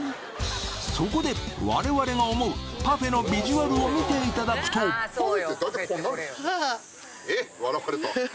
そこで我々が思うパフェのビジュアルを見ていただくとえっ笑われた。